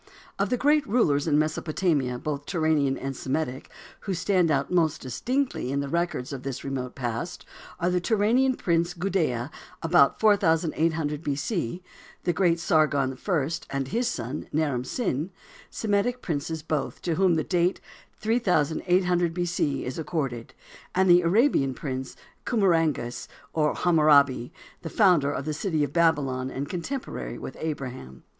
OF the great rulers in Mesopotamia, both Turanian and Semitic, who stand out most distinctly in the records of this remote past, are the Turanian prince, Gudea, about 4800 B. C., the great Sargon I and his son, Naram Sin, Semitic princes, both to whom the date 3800 B. C., is accorded, and the Arabian prince, Khammuragas, or Hammurabi, the founder of the city of Babylon and contemporary with Abraham.